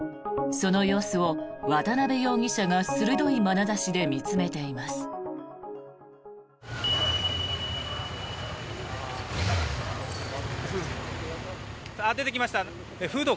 その様子を、渡邉容疑者が鋭いまなざしで見つめています。